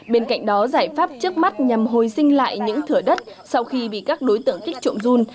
bên cạnh đó giải pháp trước mắt nhằm hồi sinh lại những thửa đất sau khi bị các đối tượng kích trộm run